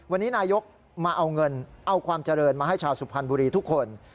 วันนี้นายกมาเอาเงินเอาความเจริญมาให้ชาวสุพรรณบุรีทุกคน